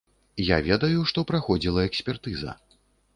Я ведаю, што праходзіла экспертыза.